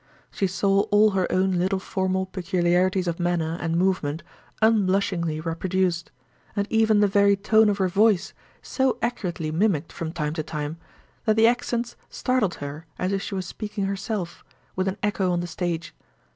She saw all her own little formal peculiarities of manner and movement unblushingly reproduced—and even the very tone of her voice so accurately mimicked from time to time, that the accents startled her as if she was speaking herself, with an echo on the stage.